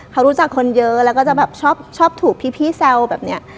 เขารู้จักคนเยอะแล้วก็จะแบบชอบถูกพี่แซวแบบนี้